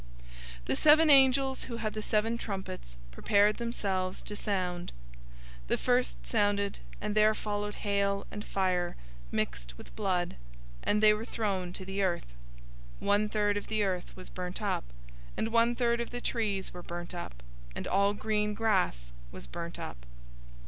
008:006 The seven angels who had the seven trumpets prepared themselves to sound. 008:007 The first sounded, and there followed hail and fire, mixed with blood, and they were thrown to the earth. One third of the earth was burnt up,{TR omits "One third of the earth was burnt up"} and one third of the trees were burnt up, and all green grass was burnt up.